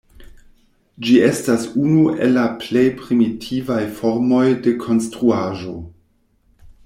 Ĝi estas unu el la plej primitivaj formoj de konstruaĵo.